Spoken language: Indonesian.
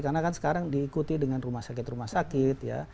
karena kan sekarang diikuti dengan rumah sakit rumah sakit